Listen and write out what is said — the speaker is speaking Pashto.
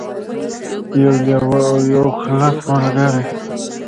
یو لیوه او یو لګلګ ملګري شول.